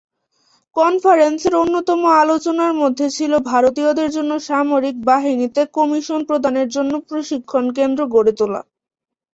কনফারেন্সের অন্যতম আলোচনার মধ্যে ছিলো ভারতীয়দের জন্য সামরিক বাহিনীতে কমিশন প্রদানের জন্য প্রশিক্ষণ কেন্দ্র গড়ে তোলা।